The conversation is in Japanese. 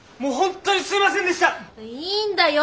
いいんだよ